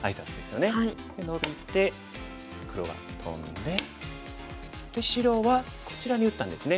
ノビて黒がトンで白はこちらに打ったんですね。